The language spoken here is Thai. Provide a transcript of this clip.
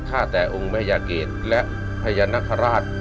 ข้าแต่องค์มหญาเกรดและพญานครราช